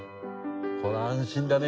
これ安心だね。